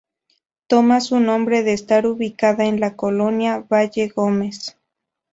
Toma su nombre de estar ubicada en la Colonia Valle Gómez.